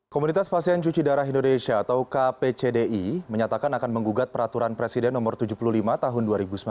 komunitas pasien cuci darah indonesia atau kpcdi menyatakan akan menggugat peraturan presiden no tujuh puluh lima tahun dua ribu sembilan belas